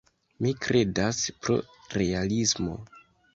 Mi kredas pro realismo.